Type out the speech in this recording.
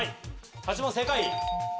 ８番正解。